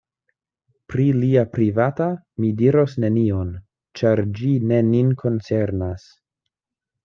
Pri lia privata mi diros nenion; ĉar ĝi ne nin koncernas.